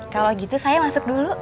kalau gitu saya masuk dulu